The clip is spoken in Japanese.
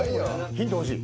ヒント欲しい？